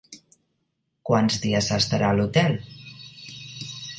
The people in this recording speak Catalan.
Quants dies s'estarà a l'hotel?